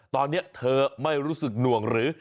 ตอนนี้เธอไม่รู้สึกหน่วงหรือ